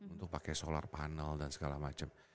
untuk pakai solar panel dan segala macam